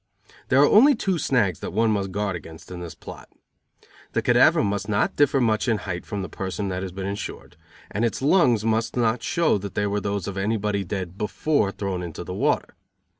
There are only two snags that one must guard against in this plot. The cadaver must not differ much in height from the person that has been insured; and its lungs must not show that they were those of anybody dead before thrown into the water.